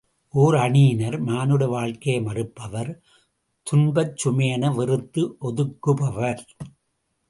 ஓர் அணியினர் மானுட வாழ்க்கையை மறுப்பவர் துன்பச் சுமையென வெறுத்து ஒதுக்குபவர்.